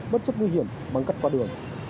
bất chấp nguy hiểm bằng cách qua đường